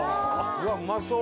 うわうまそう！